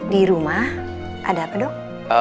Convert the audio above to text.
di rumah ada apa dok